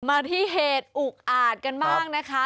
มาที่เหตุอุกอาจกันบ้างนะคะ